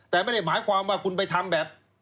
แต่ไม่ได้หมายความว่าคุณไปทำแบบ